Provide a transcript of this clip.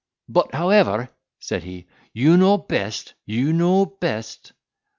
"But, however," said he, "you know best—you know best."